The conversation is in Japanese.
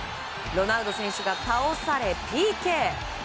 ロナウド選手が倒されＰＫ。